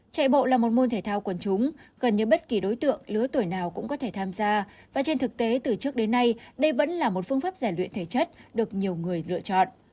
chạy bộ là một môn thể thao quần chúng gần như bất kỳ đối tượng lứa tuổi nào cũng có thể tham gia và trên thực tế từ trước đến nay đây vẫn là một phương pháp giải luyện thể chất được nhiều người lựa chọn